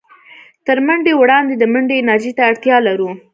تر منډې وړاندې د منډې انرژۍ ته اړتيا لرو.